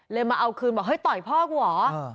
มาเอาคืนบอกเฮ้ยต่อยพ่อกูเหรอ